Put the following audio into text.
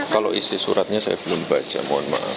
kalau isi suratnya saya belum baca mohon maaf